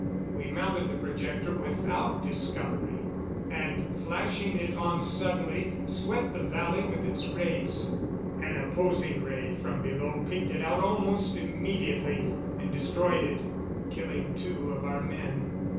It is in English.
We mounted the projector without discovery, and, flashing it on suddenly, swept the valley with its rays. An opposing ray from below picked it out almost immediately, and destroyed it, killing two of our men.